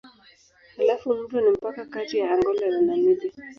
Halafu mto ni mpaka kati ya Angola na Namibia.